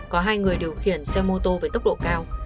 có hai người điều khiển xe mô tô với tốc độ cao